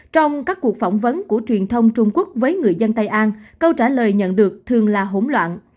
trong các cuộc phỏng vấn của truyền thông trung quốc với người dân tây an câu trả lời nhận được thường là hỗn loạn